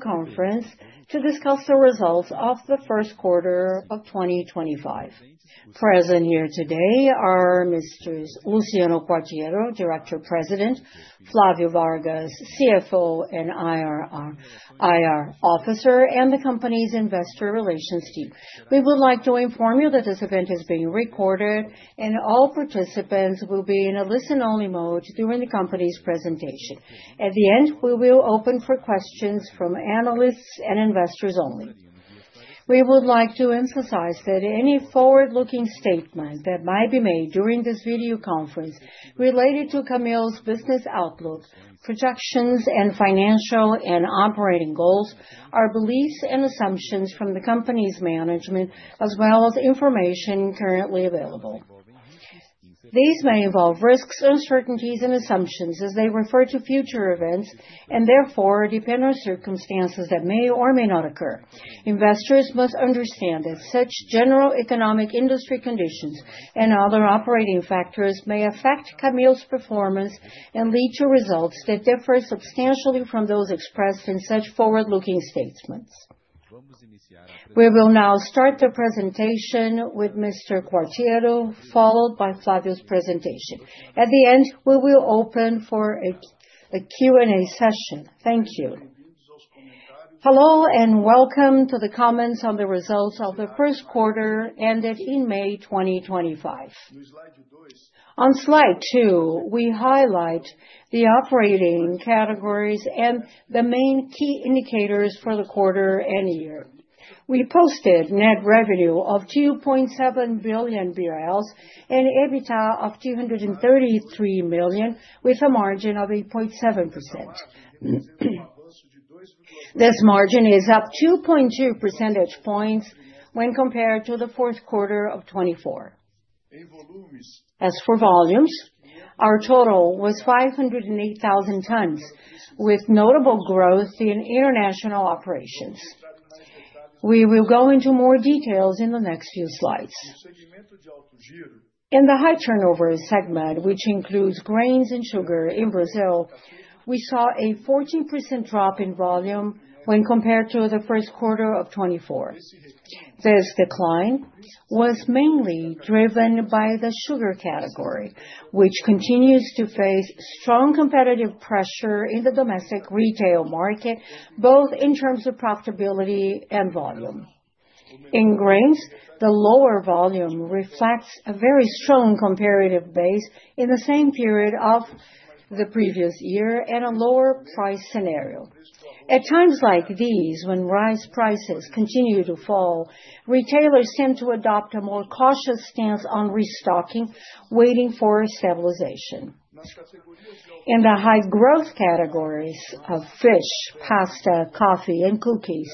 Conference to discuss the results of the first quarter of 2025. Present here today are Mr. Luciano Quartiero, Director of President, Flavio Vargas, CFO and IR Officer, and the company's Investor Relations Team. We would like to inform you that this event is being recorded, and all participants will be in a listen-only mode during the company's presentation. At the end, we will open for questions from analysts and investors only. We would like to emphasize that any forward-looking statement that might be made during this video conference related to Camil Alimentos SA's business outlook, projections, financial, and operating goals are beliefs and assumptions from the company's management, as well as information currently available. These may involve risks, uncertainties, and assumptions as they refer to future events and therefore depend on circumstances that may or may not occur. Investors must understand that such general economic industry conditions and other operating factors may affect Camil Alimentos SA's performance and lead to results that differ substantially from those expressed in such forward-looking statements. We will now start the presentation with Mr. Quartiero, followed by Flavio's presentation. At the end, we will open for a Q&A session. Thank you. Hello and welcome to the comments on the results of the first quarter ended in May 2025. On slide two, we highlight the operating categories and the main key indicators for the quarter and year. We posted net revenue of 2.7 billion BRL and EBITDA of 233 million with a margin of 8.7%. This margin is up 2.2 percentage points when compared to the fourth quarter of 2024. As for volumes, our total was 508,000 tons, with notable growth in international operations. We will go into more details in the next few slides. In the high turnover segment, which includes grains and sugar in Brazil, we saw a 14% drop in volume when compared to the first quarter of 2024. This decline was mainly driven by the sugar category, which continues to face strong competitive pressure in the domestic retail market, both in terms of profitability and volume. In grains, the lower volume reflects a very strong comparative base in the same period of the previous year and a lower price scenario. At times like these, when rice prices continue to fall, retailers tend to adopt a more cautious stance on restocking, waiting for a stabilization. In the high growth categories of fish, pasta, coffee, and cookies,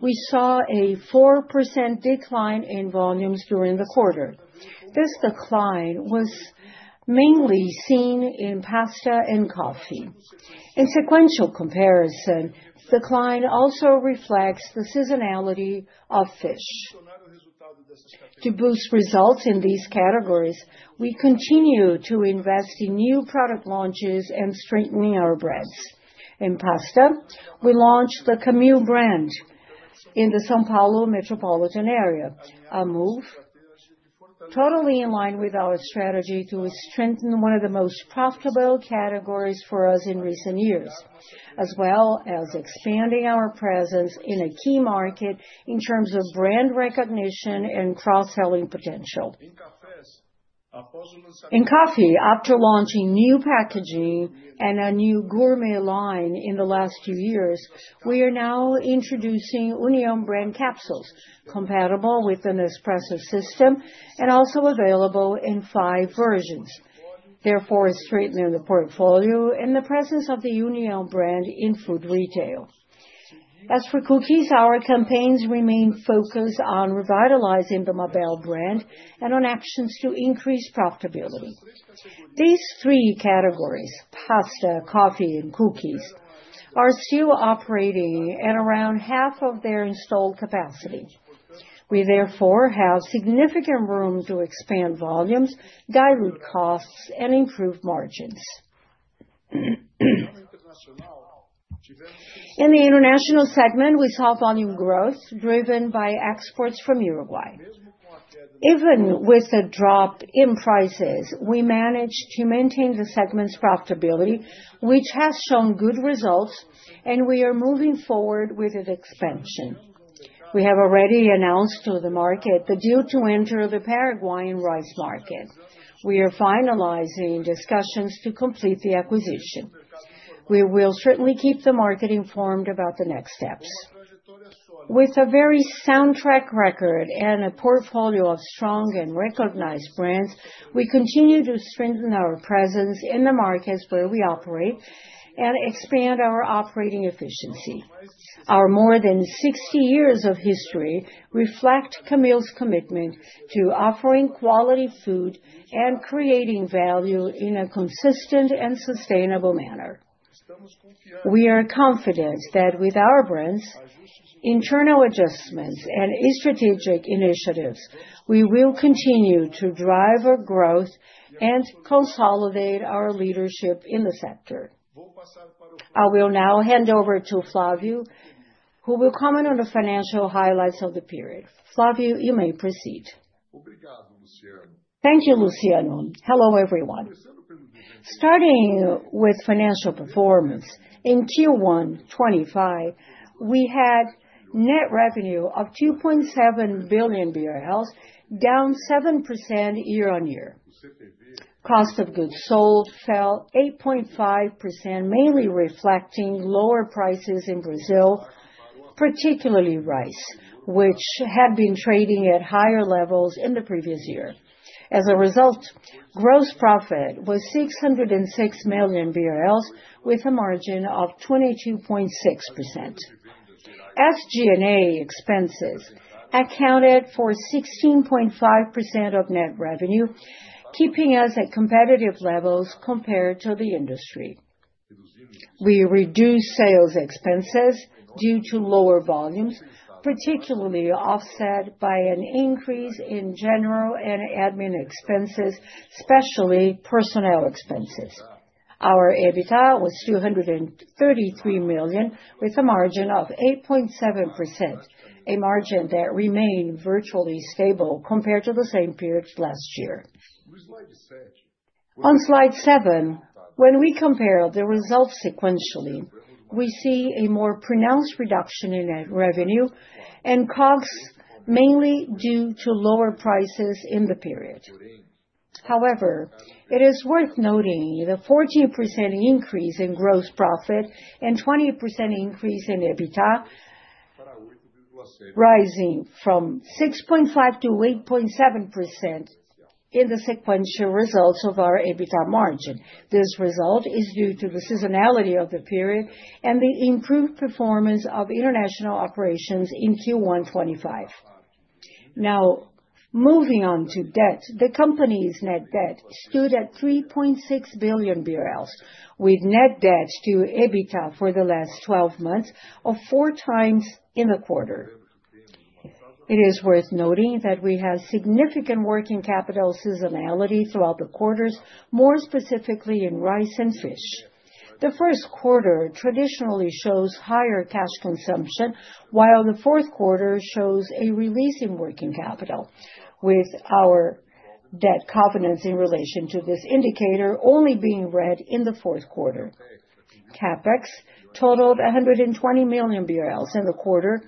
we saw a 4% decline in volumes during the quarter. This decline was mainly seen in pasta and coffee. In sequential comparison, the decline also reflects the seasonality of fish. To boost results in these categories, we continue to invest in new product launches and strengthen our brands. In pasta, we launched the Camil pasta brand in the São Paulo metropolitan area, a move totally in line with our strategy to strengthen one of the most profitable categories for us in recent years, as well as expanding our presence in a key market in terms of brand recognition and cross-selling potential. In coffee, after launching new packaging and a new gourmet line in the last few years, we are now introducing União brand coffee capsules, compatible with the Nespresso system and also available in five versions. Therefore, it's strengthening the portfolio and the presence of the União brand in food retail. As for cookies, our campaigns remain focused on revitalizing the Mabel brand and on actions to increase profitability. These three categories, pasta, coffee, and cookies, are still operating at around half of their installed capacity. We therefore have significant room to expand volumes, dilute costs, and improve margins. In the international segment, we saw volume growth driven by exports from Uruguay. Even with a drop in prices, we managed to maintain the segment's profitability, which has shown good results, and we are moving forward with its expansion. We have already announced to the market the deal to enter the Paraguayan rice market. We are finalizing discussions to complete the acquisition. We will certainly keep the market informed about the next steps. With a very sound track record and a portfolio of strong and recognized brands, we continue to strengthen our presence in the markets where we operate and expand our operating efficiency. Our more than 60 years of history reflect Camil's commitment to offering quality food and creating value in a consistent and sustainable manner. We are confident that with our brand's internal adjustments and strategic initiatives, we will continue to drive our growth and consolidate our leadership in the sector. I will now hand over to Flavio, who will comment on the financial highlights of the period. Flavio, you may proceed. Thank you, Luciano. Hello, everyone. Starting with financial performance, in Q1 2025, we had net revenue of 2.7 billion BRL, down 7% year-on-year. Cost of goods sold fell 8.5%, mainly reflecting lower prices in Brazil, particularly rice, which had been trading at higher levels in the previous year. As a result, gross profit was 606 million BRL with a margin of 22.6%. SG&A expenses accounted for 16.5% of net revenue, keeping us at competitive levels compared to the industry. We reduced sales expenses due to lower volumes, particularly offset by an increase in general and admin expenses, especially personnel expenses. Our EBITDA was 233 million with a margin of 8.7%, a margin that remained virtually stable compared to the same period last year. On slide seven, when we compare the results sequentially, we see a more pronounced reduction in net revenue and costs, mainly due to lower prices in the period. However, it is worth noting the 14% increase in gross profit and 20% increase in EBITDA, rising from 6.5%-8.7% in the sequential results of our EBITDA margin. This result is due to the seasonality of the period and the improved performance of international operations in Q1 2025. Now, moving on to debt, the company's net debt stood at 3.6 billion BRL, with net debt to EBITDA for the last 12 months of 4x in the quarter. It is worth noting that we had significant working capital seasonality throughout the quarters, more specifically in rice and fish. The first quarter traditionally shows higher cash consumption, while the fourth quarter shows a release in working capital, with our debt confidence in relation to this indicator only being read in the fourth quarter. CapEx totaled 120 million BRL in the quarter,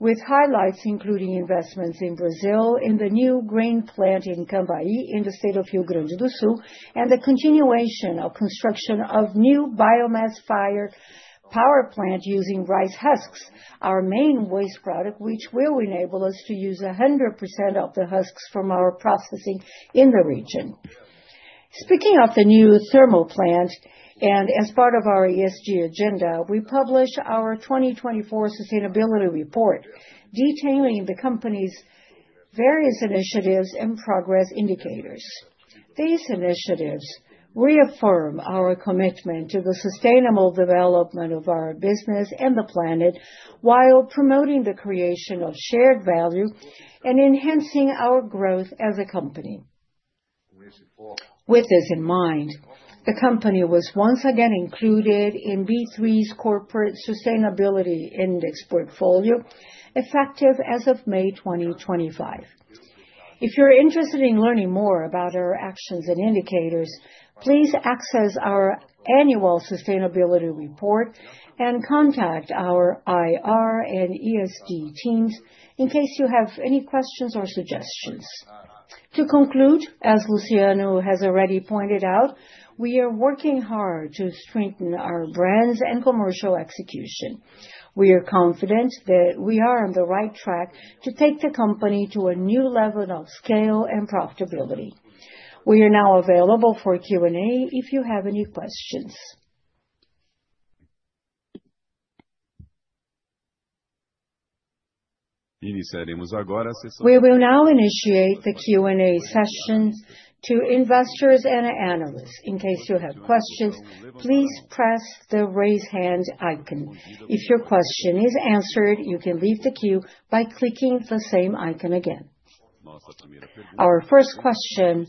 with highlights including investments in Brazil in the new grain plant in Cambaí in the state of Rio Grande do Sul and the continuation of construction of a new biomass-fired power plant using rice husks, our main waste product, which will enable us to use 100% of the husks from our processing in the region. Speaking of the new thermal plant, and as part of our ESG agenda, we published our 2024 sustainability report detailing the company's various initiatives and progress indicators. These initiatives reaffirm our commitment to the sustainable development of our business and the planet, while promoting the creation of shared value and enhancing our growth as a company. With this in mind, the company was once again included in B3's Corporate Sustainability Index portfolio, effective as of May 2025. If you're interested in learning more about our actions and indicators, please access our annual sustainability report and contact our IR and ESG teams in case you have any questions or suggestions. To conclude, as Luciano has already pointed out, we are working hard to strengthen our brand's and commercial execution. We are confident that we are on the right track to take the company to a new level of scale and profitability. We are now available for Q&A if you have any questions. We will now initiate the Q&A sessions to investors and analysts. In case you have questions, please press the raise hand icon. If your question is answered, you can leave the queue by clicking the same icon again. Our first question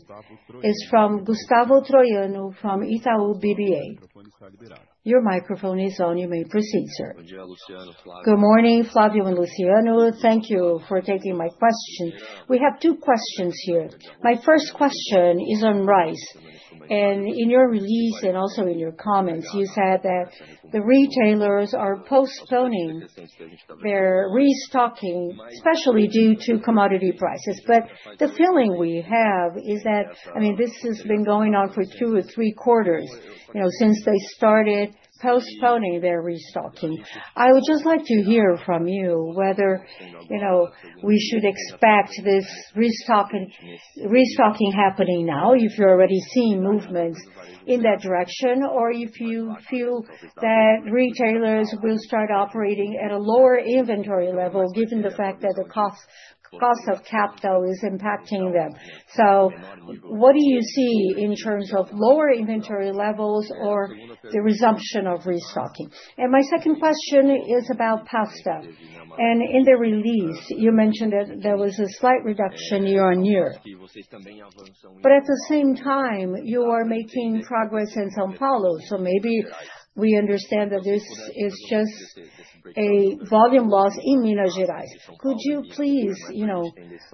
is from Gustavo Troiano from Itaú BBA. Your microphone is on. You may proceed, sir. Good morning, Flavio and Luciano. Thank you for taking my question. We have two questions here. My first question is on rice. In your release and also in your comments, you said that the retailers are postponing their restocking, especially due to commodity prices. The feeling we have is that this has been going on for two or three quarters, since they started postponing their restocking. I would just like to hear from you whether we should expect this restocking happening now, if you're already seeing movements in that direction, or if you feel that retailers will start operating at a lower inventory level, given the fact that the cost of capital is impacting them. What do you see in terms of lower inventory levels or the resumption of restocking? My second question is about pasta. In the release, you mentioned that there was a slight reduction year-on-year. At the same time, you are making progress in São Paulo. Maybe we understand that this is just a volume loss in Minas Gerais. Could you please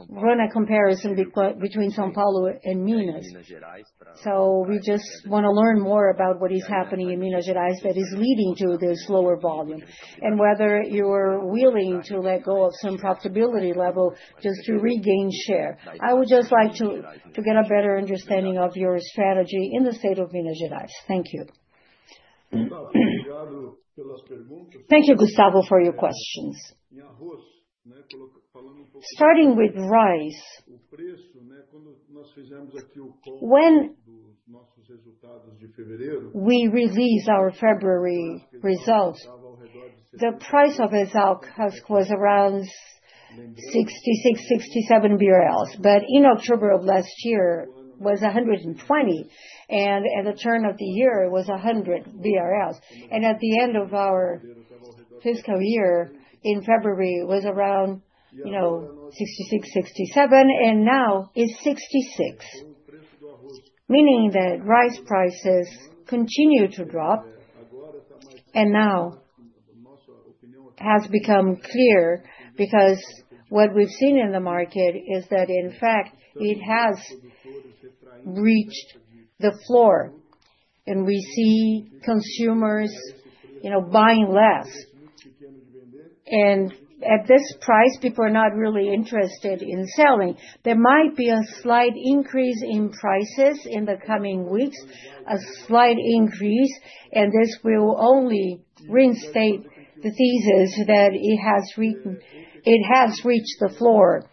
run a comparison between São Paulo and Minas? We just want to learn more about what is happening in Minas Gerais that is leading to this lower volume and whether you are willing to let go of some profitability level just to regain share. I would just like to get a better understanding of your strategy in the state of Minas Gerais. Thank you. Thank you, Gustavo, for your questions. Starting with rice. When we released our February results, the price of exhaust was around 66, 67 BRL. In October of last year, it was 120. At the turn of the year, it was 100 BRL. At the end of our fiscal year, in February, it was around 66, 67. Now it's 66, meaning that rice prices continue to drop. It has become clear because what we've seen in the market is that, in fact, it has reached the floor. We see consumers buying less. At this price, people are not really interested in selling. There might be a slight increase in prices in the coming weeks, a slight increase. This will only reinstate the thesis that it has reached the floor.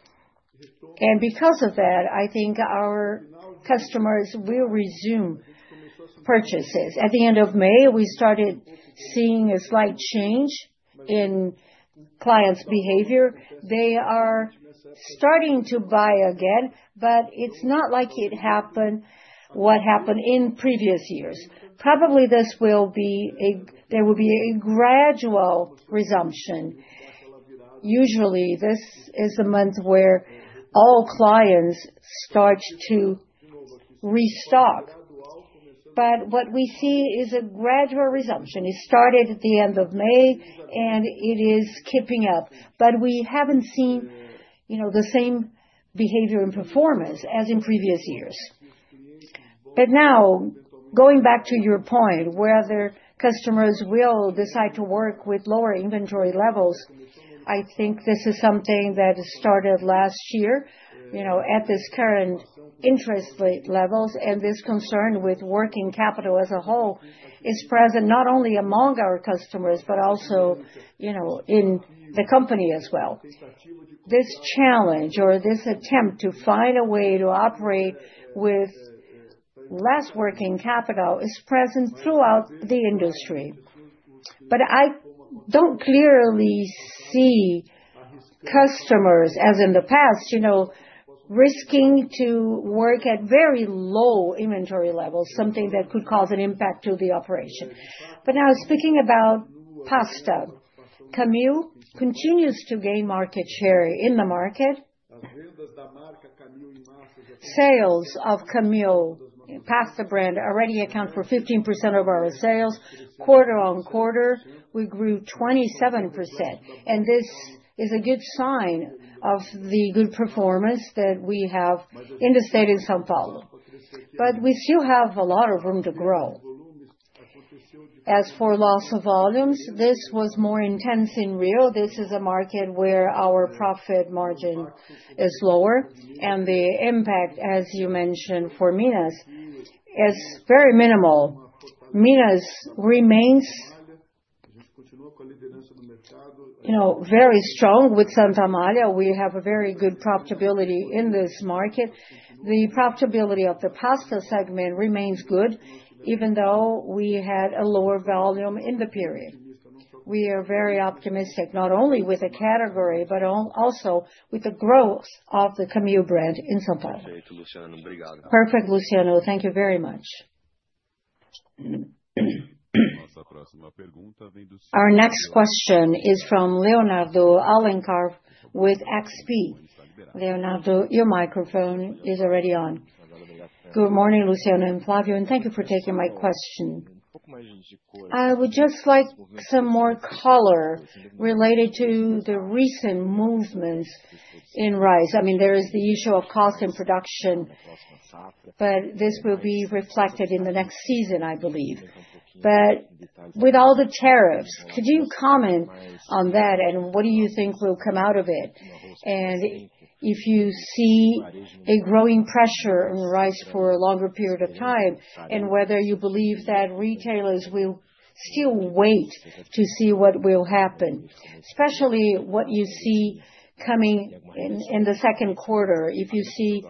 Because of that, I think our customers will resume purchases. At the end of May, we started seeing a slight change in clients' behavior. They are starting to buy again, but it's not like what happened in previous years. Probably this will be a gradual resumption. Usually, this is the month where all clients start to restock. What we see is a gradual resumption. It started at the end of May, and it is keeping up. We haven't seen the same behavior and performance as in previous years. Now, going back to your point, whether customers will decide to work with lower inventory levels, I think this is something that started last year at this current interest rate levels. This concern with working capital as a whole is present not only among our customers, but also in the company as well. This challenge or this attempt to find a way to operate with less working capital is present throughout the industry. I don't clearly see customers, as in the past, risking to work at very low inventory levels, something that could cause an impact to the operation. Now, speaking about pasta, Camil continues to gain market share in the market. Sales of Camil pasta brand already account for 15% of our sales quarter-on-quarter. We grew 27%. This is a good sign of the good performance that we have in the state of São Paulo. We still have a lot of room to grow. As for loss of volumes, this was more intense in Rio. This is a market where our profit margin is lower. The impact, as you mentioned, for Minas, it's very minimal. Minas remains very strong with Santa Amália. We have a very good profitability in this market. The profitability of the pasta segment remains good, even though we had a lower volume in the period. We are very optimistic, not only with the category, but also with the growth of the Camil brand in São Paulo. Perfect, Luciano. Thank you very much. Our next question is from Leonardo Alencar with XP. Leonardo, your microphone is already on. Good morning, Luciano and Flavio, and thank you for taking my question. I would just like some more color related to the recent movements in rice. There is the issue of cost and production, but this will be reflected in the next season, I believe. With all the tariffs, could you comment on that and what do you think will come out of it? Do you see a growing pressure on rice for a longer period of time, and whether you believe that retailers will still wait to see what will happen, especially what you see coming in the second quarter, if you see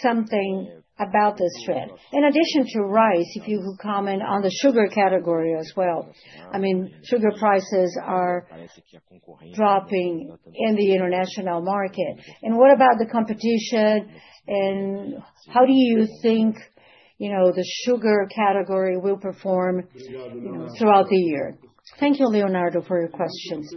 something about this trend. In addition to rice, if you could comment on the sugar category as well. Sugar prices are dropping in the international market. What about the competition? How do you think the sugar category will perform throughout the year? Thank you, Leonardo, for your questions.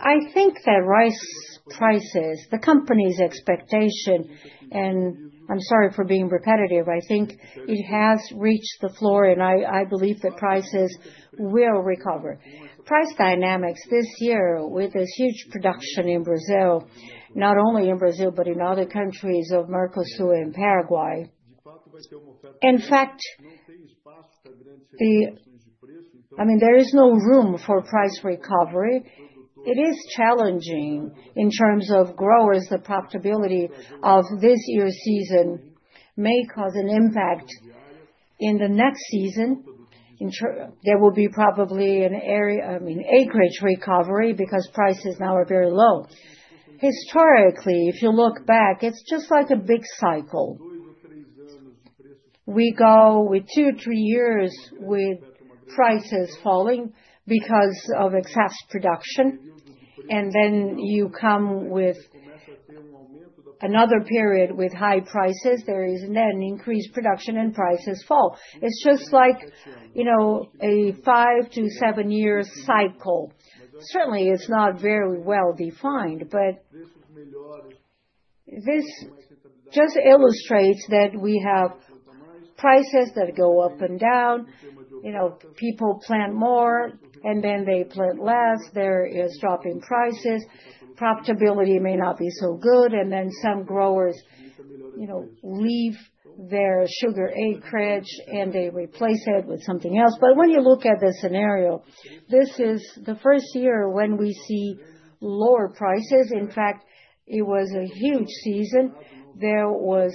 I think that rice prices, the company's expectation, and I'm sorry for being repetitive, I think it has reached the floor, and I believe that prices will recover. Price dynamics this year with this huge production in Brazil, not only in Brazil, but in other countries of Mercosul and Paraguay. In fact, there is no room for price recovery. It is challenging in terms of growers. The profitability of this year's season may cause an impact in the next season. There will be probably an area, acreage recovery because prices now are very low. Historically, if you look back, it's just like a big cycle. We go with two or three years with prices falling because of excess production. You come with another period with high prices. There is then increased production and prices fall. It's just like a five to seven-year cycle. Certainly, it's not very well defined, but this just illustrates that we have prices that go up and down. People plant more, and then they plant less. There is drop in prices. Profitability may not be so good. Some growers leave their sugar acreage and they replace it with something else. When you look at this scenario, this is the first year when we see lower prices. In fact, it was a huge season. There was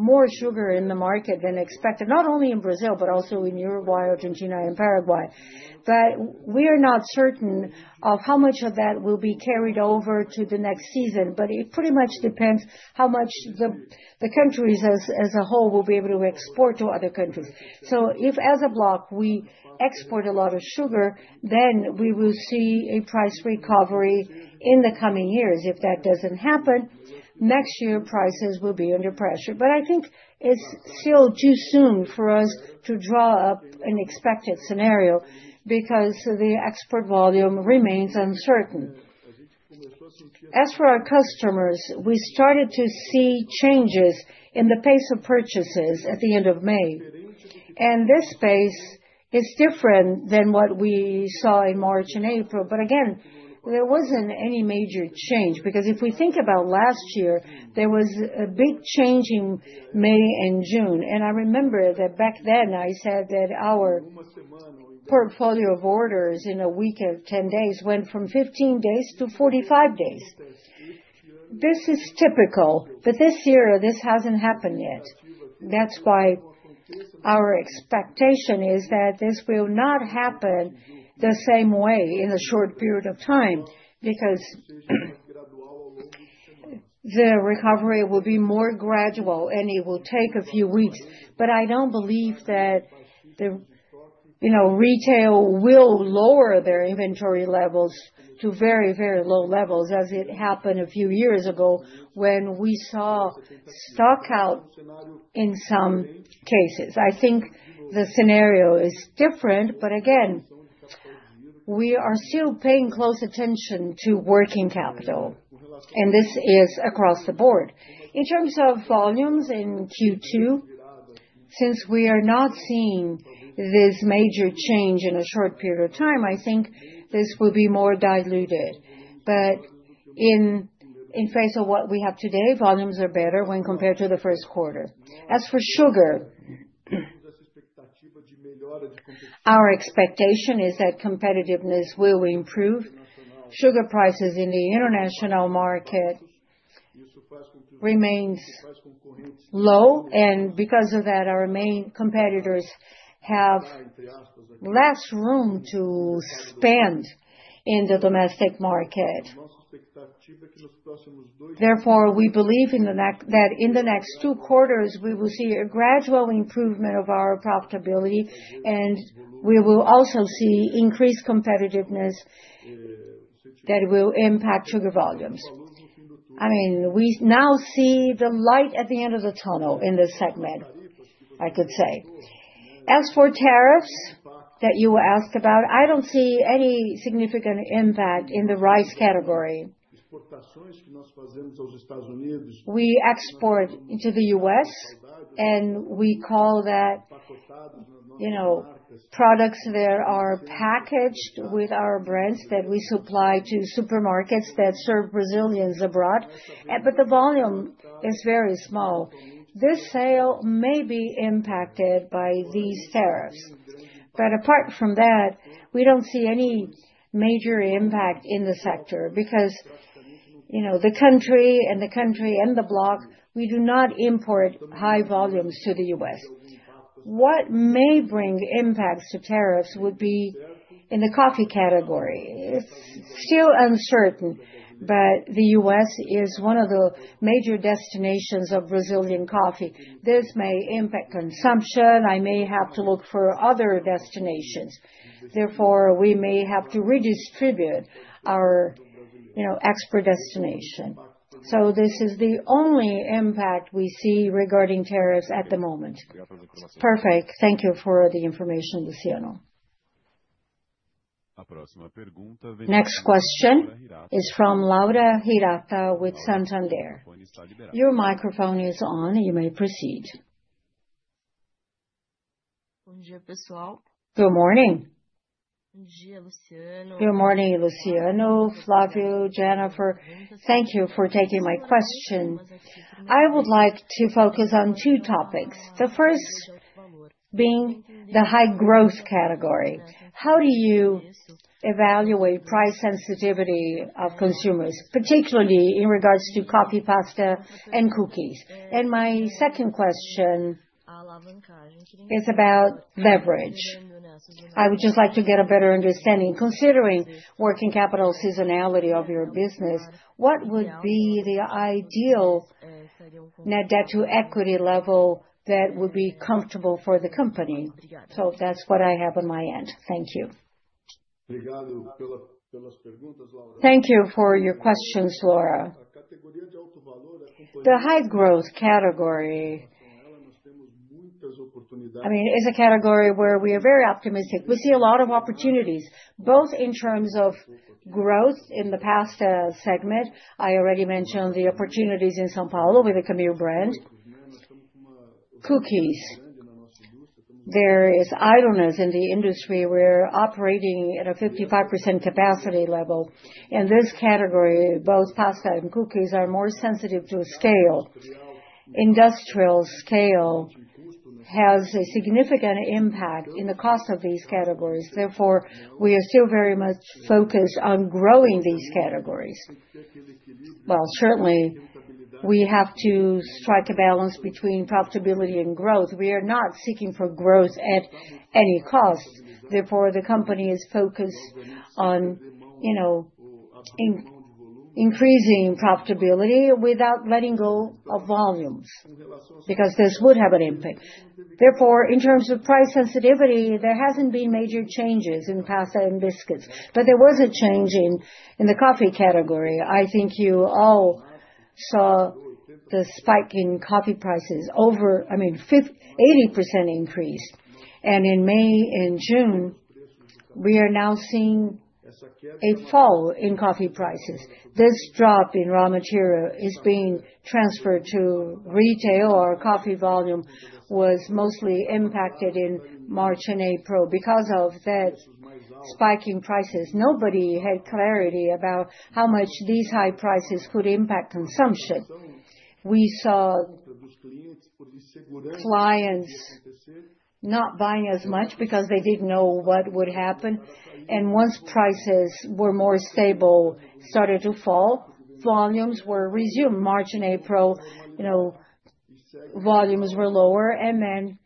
more sugar in the market than expected, not only in Brazil, but also in Uruguay, Argentina, and Paraguay. We are not certain of how much of that will be carried over to the next season. It pretty much depends how much the countries as a whole will be able to export to other countries. If as a block we export a lot of sugar, then we will see a price recovery in the coming years. If that doesn't happen, next year prices will be under pressure. I think it's still too soon for us to draw up an expected scenario because the export volume remains uncertain. As for our customers, we started to see changes in the pace of purchases at the end of May. This pace is different than what we saw in March and April. There wasn't any major change because if we think about last year, there was a big change in May and June. I remember that back then, I said that our portfolio of orders in a week of 10 days went from 15 days-45 days. This is typical. This year, this hasn't happened yet. That's why our expectation is that this will not happen the same way in a short period of time because the recovery will be more gradual and it will take a few weeks. I don't believe that the retail will lower their inventory levels to very, very low levels as it happened a few years ago when we saw stockout in some cases. I think the scenario is different. We are still paying close attention to working capital. This is across the board. In terms of volumes in Q2, since we are not seeing this major change in a short period of time, I think this will be more diluted. In the face of what we have today, volumes are better when compared to the first quarter. As for sugar, our expectation is that competitiveness will improve. Sugar prices in the international market remain low. Because of that, our main competitors have less room to spend in the domestic market. Therefore, we believe that in the next two quarters, we will see a gradual improvement of our profitability, and we will also see increased competitiveness that will impact sugar volumes. I mean, we now see the light at the end of the tunnel in this segment, I could say. As for tariffs that you asked about, I don't see any significant impact in the rice category. We export into the U.S., and we call that products that are packaged with our brands that we supply to supermarkets that serve Brazilians abroad. The volume is very small. This sale may be impacted by these tariffs. Apart from that, we don't see any major impact in the sector because, you know, the country and the block, we do not import high volumes to the U.S. What may bring impacts to tariffs would be in the coffee category. Still uncertain, but the U.S. is one of the major destinations of Brazilian coffee. This may impact consumption. I may have to look for other destinations. Therefore, we may have to redistribute our export destination. This is the only impact we see regarding tariffs at the moment. Perfect. Thank you for the information, Luciano. Next question is from Laura Hirata with Santander. Your microphone is on. You may proceed. Good morning. Good morning, Luciano, Flavio, Jennifer. Thank you for taking my question. I would like to focus on two topics. The first being the high growth category. How do you evaluate price sensitivity of consumers, particularly in regards to coffee, pasta, and cookies? My second question is about beverage. I would just like to get a better understanding. Considering working capital seasonality of your business, what would be the ideal net debt to equity level that would be comfortable for the company? That's what I have on my end. Thank you. Thank you for your questions, Laura. The high growth category, I mean, is a category where we are very optimistic. We see a lot of opportunities, both in terms of growth in the pasta segment. I already mentioned the opportunities in São Paulo with the Camil brand. Cookies, there are islanders in the industry. We're operating at a 55% capacity level. In this category, both pasta and cookies are more sensitive to scale. Industrial scale has a significant impact in the cost of these categories. Therefore, we are still very much focused on growing these categories. Certainly, we have to strike a balance between profitability and growth. We are not seeking for growth at any cost. Therefore, the company is focused on, you know, increasing profitability without letting go of volumes because this would have an impact. Therefore, in terms of price sensitivity, there haven't been major changes in pasta and biscuits. There was a change in the coffee category. I think you all saw the spike in coffee prices over, I mean, 80% increase. In May and June, we are now seeing a fall in coffee prices. This drop in raw material is being transferred to retail. Our coffee volume was mostly impacted in March and April because of that spike in prices. Nobody had clarity about how much these high prices could impact consumption. We saw clients not buying as much because they didn't know what would happen. Once prices were more stable, started to fall, volumes were resumed. March and April, you know, volumes were lower. In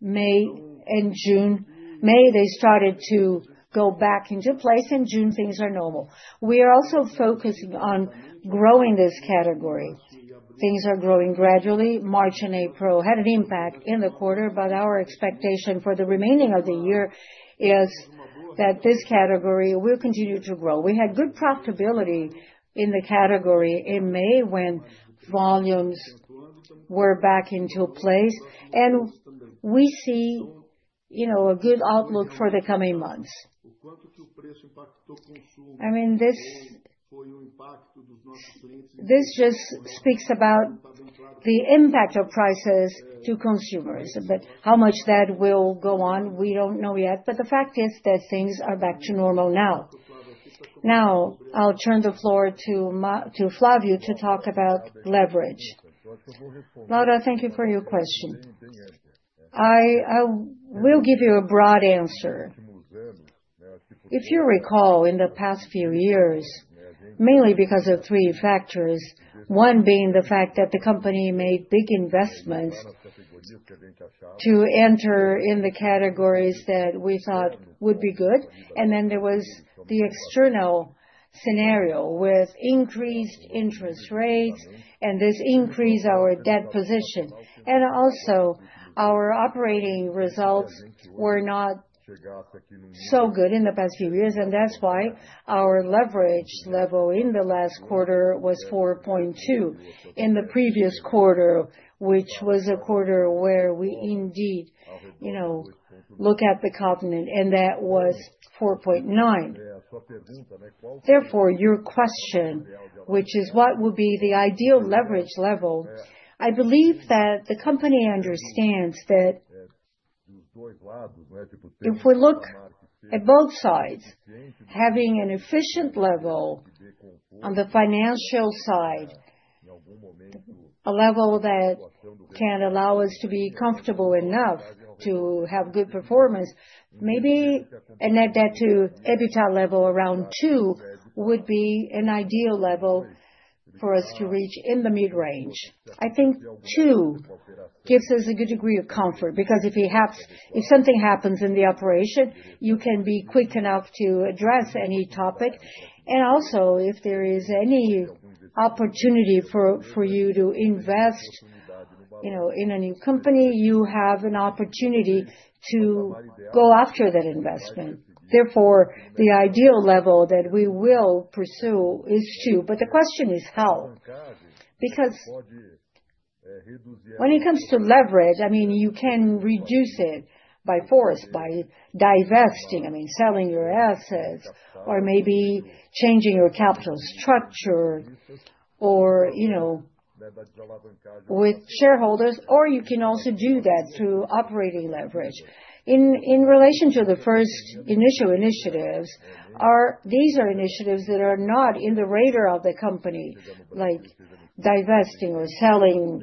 May and June, they started to go back into place. In June, things are normal. We are also focusing on growing this category. Things are growing gradually. March and April had an impact in the quarter, but our expectation for the remaining of the year is that this category will continue to grow. We had good profitability in the category in May when volumes were back into place. We see, you know, a good outlook for the coming months. I mean, this just speaks about the impact of prices to consumers. How much that will go on, we don't know yet. The fact is that things are back to normal now. Now, I'll turn the floor to Flavio to talk about leverage. Laura, thank you for your question. I will give you a broad answer. If you recall, in the past few years, mainly because of three factors, one being the fact that the company made big investments to enter in the categories that we thought would be good. There was the external scenario with increased interest rates, and this increased our debt position. Also, our operating results were not so good in the past few years. That's why our leverage level in the last quarter was 4.2%. In the previous quarter, which was a quarter where we indeed, you know, look at the continent, and that was 4.9%. Therefore, your question, which is what would be the ideal leverage level, I believe that the company understands that if we look at both sides, having an efficient level on the financial side, a level that can allow us to be comfortable enough to have good performance, maybe a net debt/EBITDA level around 2% would be an ideal level for us to reach in the mid-range. I think 2% gives us a good degree of comfort because if something happens in the operation, you can be quick enough to address any topic. Also, if there is any opportunity for you to invest, you know, in a new company, you have an opportunity to go after that investment. Therefore, the ideal level that we will pursue is 2%. The question is how? Because when it comes to leverage, I mean, you can reduce it by force, by divesting, I mean, selling your assets, or maybe changing your capital structure, or, you know, with shareholders. You can also do that through operating leverage. In relation to the first initial initiatives, these are initiatives that are not in the radar of the company, like divesting or selling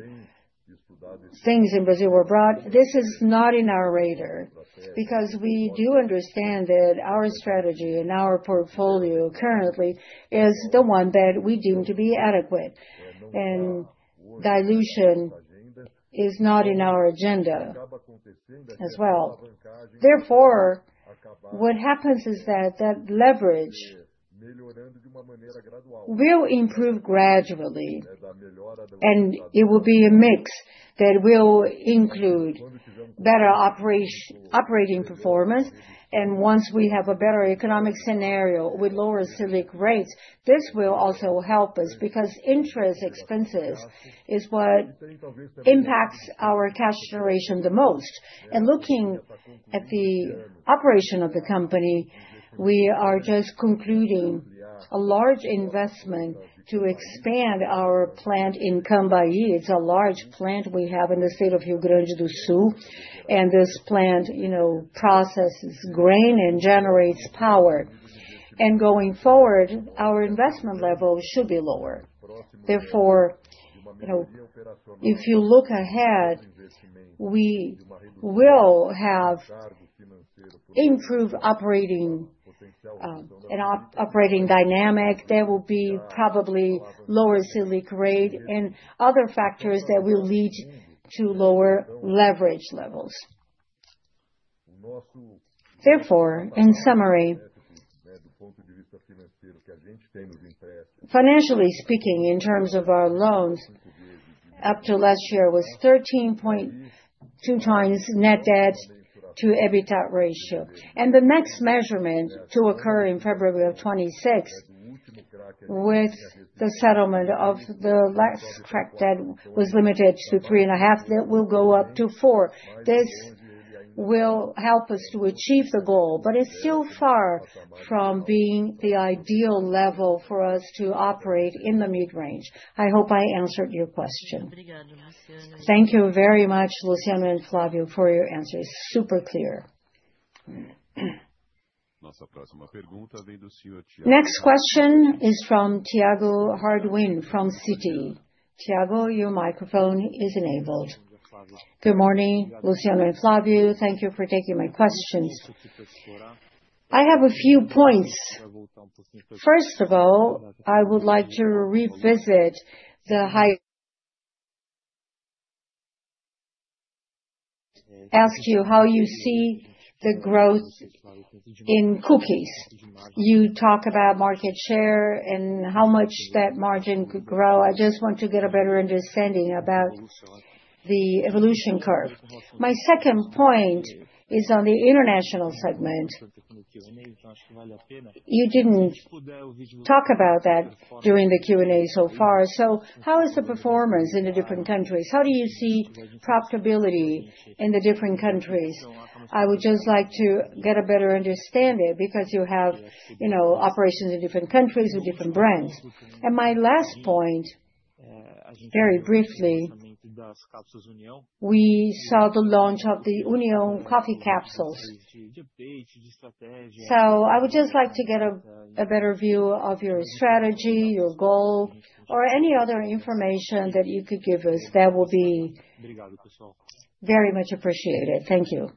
things in Brazil or abroad. This is not in our radar because we do understand that our strategy and our portfolio currently is the one that we deem to be adequate. Dilution is not in our agenda as well. Therefore, what happens is that leverage will improve gradually. It will be a mix that will include better operating performance. Once we have a better economic scenario with lower Selic rates, this will also help us because interest expenses is what impacts our cash generation the most. Looking at the operation of the company, we are just concluding a large investment to expand our plant in Cambaí. It's a large plant we have in the state of Rio Grande do Sul. This plant processes grain and generates power. Going forward, our investment level should be lower. Therefore, if you look ahead, we will have improved operating dynamics. There will be probably lower Selic rate and other factors that will lead to lower leverage levels. Therefore, in summary, financially speaking, in terms of our loans, up to last year was 13.2x net debt/EBITDA ratio. The next measurement to occur in February of 2026, with the settlement of the last track that was limited to 3.5x, that will go up to 4x. This will help us to achieve the goal, but it's still far from being the ideal level for us to operate in the mid-range. I hope I answered your question. Thank you very much, Luciano and Flavio, for your answers. Super clear. Next question is from Tiago Harduim from Citi. Tiago, your microphone is enabled. Good morning, Luciano and Flavio. Thank you for taking my questions. I have a few points. First of all, I would like to revisit and ask you how you see the growth in cookies. You talk about market share and how much that margin could grow. I just want to get a better understanding about the evolution curve. My second point is on the international segment. You didn't talk about that during the Q&A so far. How is the performance in the different countries? How do you see profitability in the different countries? I would just like to get a better understanding because you have operations in different countries with different brands. My last point, very briefly, we saw the launch of the União brand coffee capsules. I would just like to get a better view of your strategy, your goal, or any other information that you could give us. That will be very much appreciated. Thank you.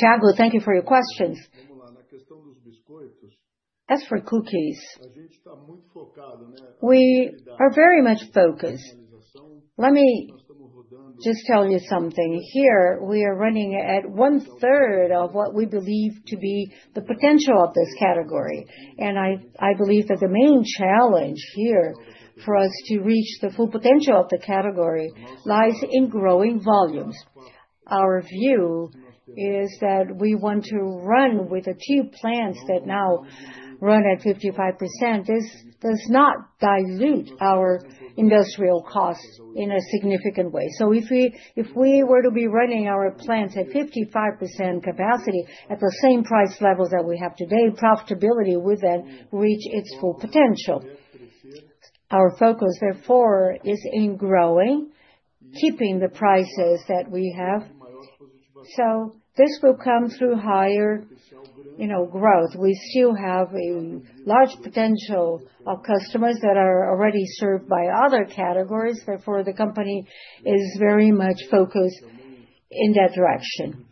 Tiago, thank you for your questions. As for cookies, we are very much focused. Let me just tell you something. Here, we are running at one-third of what we believe to be the potential of this category. I believe that the main challenge here for us to reach the full potential of the category lies in growing volumes. Our view is that we want to run with a few plants that now run at 55%. This does not dilute our industrial cost in a significant way. If we were to be running our plants at 55% capacity at the same price level that we have today, profitability would then reach its full potential. Our focus, therefore, is in growing, keeping the prices that we have. This will come through higher growth. We still have a large potential of customers that are already served by other categories. Therefore, the company is very much focused in that direction.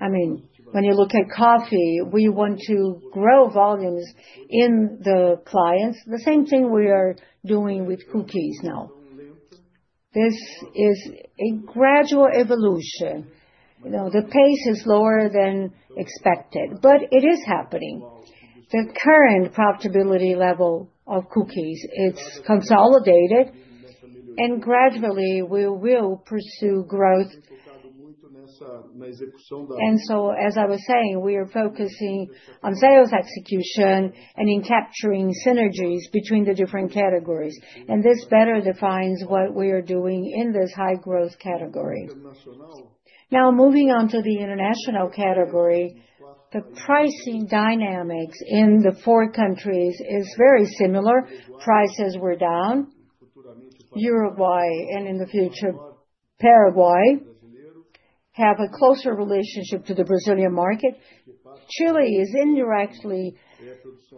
I mean, when you look at coffee, we want to grow volumes in the clients. The same thing we are doing with cookies now. This is a gradual evolution. The pace is lower than expected, but it is happening. The current profitability level of cookies, it's consolidated. Gradually, we will pursue growth. As I was saying, we are focusing on sales execution and in capturing synergies between the different categories. This better defines what we are doing in this high growth category. Now, moving on to the international category, the pricing dynamics in the four countries are very similar. Prices were down. Uruguay, and in the future, Paraguay have a closer relationship to the Brazilian market. Chile is indirectly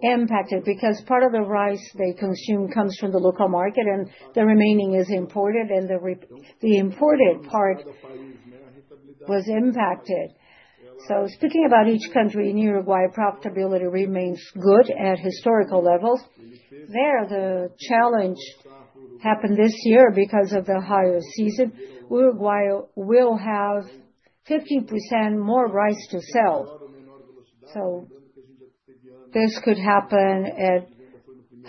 impacted because part of the rice they consume comes from the local market, and the remaining is imported, and the imported part was impacted. Speaking about each country, in Uruguay, profitability remains good at historical levels. The challenge happened this year because of the higher season. Uruguay will have 15% more rice to sell. This could happen at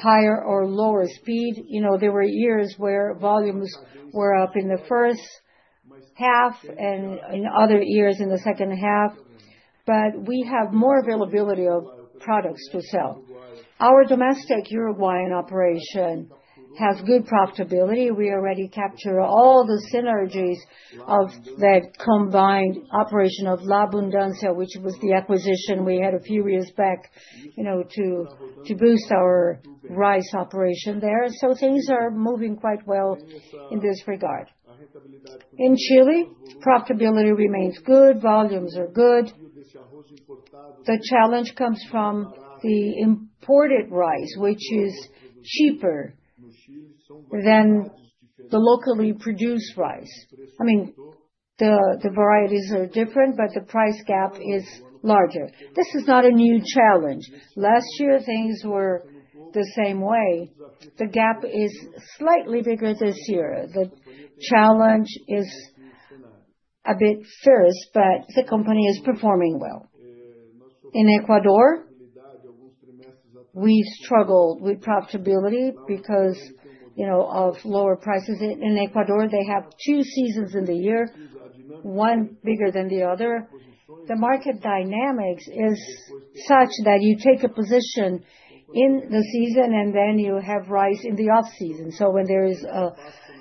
higher or lower speed. There were years where volumes were up in the first half and in other years in the second half. We have more availability of products to sell. Our domestic Uruguayan operation has good profitability. We already captured all the synergies of that combined operation of La Abundancia, which was the acquisition we had a few years back to boost our rice operation there. Things are moving quite well in this regard. In Chile, profitability remains good. Volumes are good. The challenge comes from the imported rice, which is cheaper than the locally produced rice. The varieties are different, but the price gap is larger. This is not a new challenge. Last year, things were the same way. The gap is slightly bigger this year. The challenge is a bit fierce, but the company is performing well. In Ecuador, we struggled with profitability because of lower prices. In Ecuador, they have two seasons in the year, one bigger than the other. The market dynamics are such that you take a position in the season and then you have rice in the offseason. When there is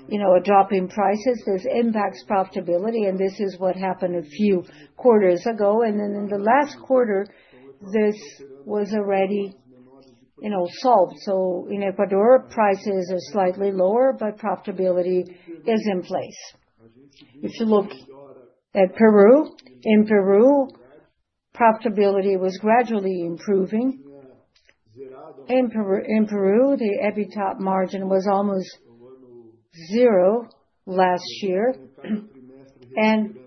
a drop in prices, this impacts profitability. This is what happened a few quarters ago. In the last quarter, this was already solved. In Ecuador, prices are slightly lower, but profitability is in place. If you look at Peru, in Peru, profitability was gradually improving. In Peru, the EBITDA margin was almost zero last year.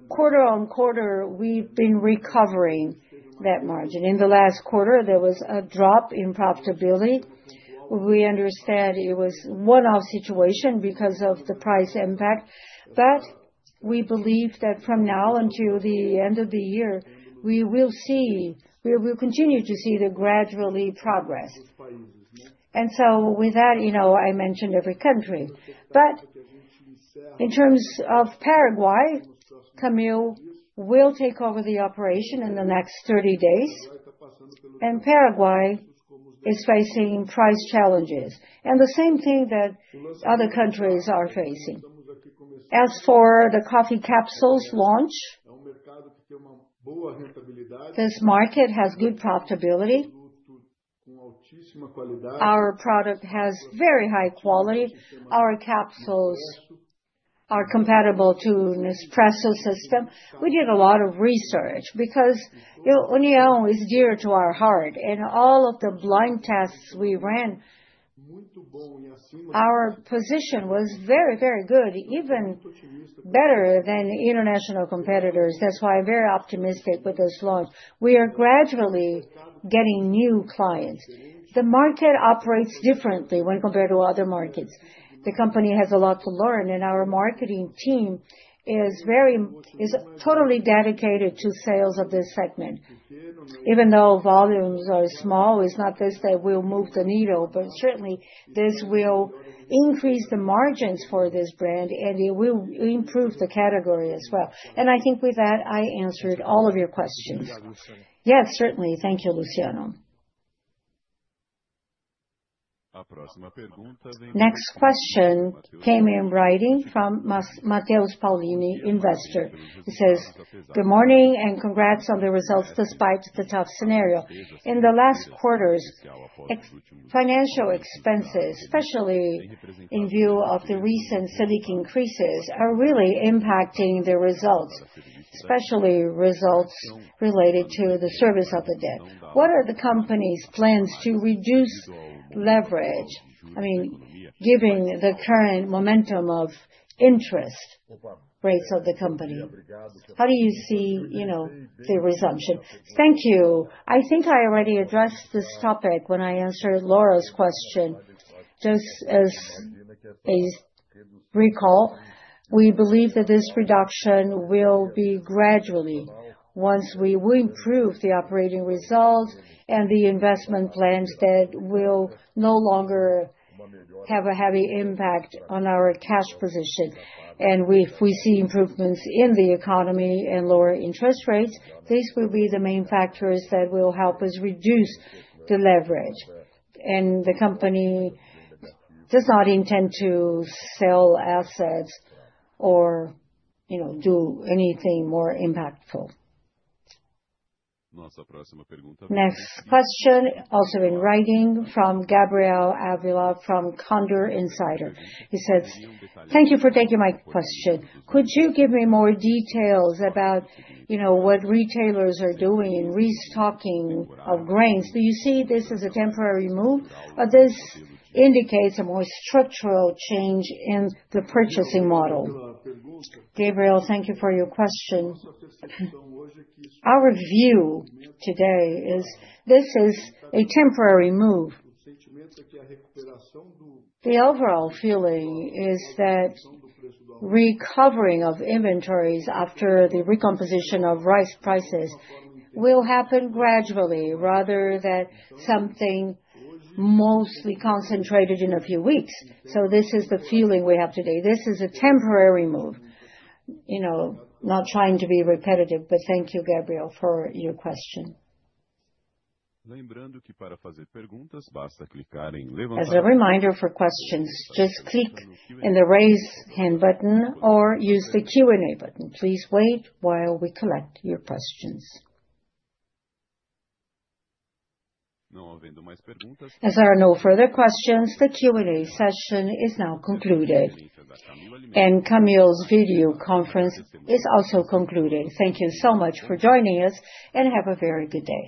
Quarter on quarter, we've been recovering that margin. In the last quarter, there was a drop in profitability. We understand it was a one-off situation because of the price impact. We believe that from now until the end of the year, we will continue to see the gradual progress. With that, I mentioned every country. In terms of Paraguay, Camil will take over the operation in the next 30 days. Paraguay is facing price challenges, the same thing that other countries are facing. As for the coffee capsules launch, this market has good profitability. Our product has very high quality. Our capsules are compatible to the Nespresso system. We did a lot of research because União is dear to our heart. In all of the blind tests we ran, our position was very, very good, even better than international competitors. That's why I'm very optimistic with this launch. We are gradually getting new clients. The market operates differently when compared to other markets. The company has a lot to learn, and our marketing team is totally dedicated to sales of this segment. Even though volumes are small, it's not this that will move the needle, but certainly, this will increase the margins for this brand, and it will improve the category as well. I think with that, I answered all of your questions. Yes, certainly. Thank you, Luciano. Next question came in writing from Mateus Paulini, investor. He says, "Good morning and congrats on the results despite the tough scenario. In the last quarters, financial expenses, especially in view of the recent Selic increases, are really impacting the results, especially results related to the service of the debt. What are the company's plans to reduce leverage? I mean, given the current momentum of interest rates of the company, how do you see the resumption?" Thank you. I think I already addressed this topic when I answered Laura's question. Just as a recall, we believe that this reduction will be gradual once we improve the operating results and the investment plans that will no longer have a heavy impact on our cash position. If we see improvements in the economy and lower interest rates, these will be the main factors that will help us reduce the leverage. The company does not intend to sell assets or do anything more impactful. Next question, also in writing from Gabriel Avila from Condor Insider. He says, "Thank you for taking my question. Could you give me more details about what retailers are doing in restocking of grains? Do you see this as a temporary move? This indicates a more structural change in the purchasing model." Gabriel, thank you for your question. Our view today is this is a temporary move. The overall feeling is that recovering of inventories after the recomposition of rice prices will happen gradually, rather than something mostly concentrated in a few weeks. This is the feeling we have today. This is a temporary move. Not trying to be repetitive, but thank you, Gabriel, for your question. As a reminder for questions, just click the raise hand button or use the Q&A button. Please wait while we collect your questions. As there are no further questions, the Q&A session is now concluded. Camil's video conference is also concluding. Thank you so much for joining us, and have a very good day.